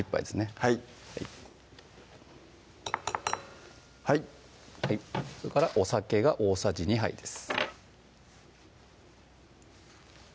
はいはいそれからお酒が大さじ２杯です